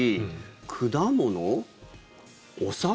果物、お魚？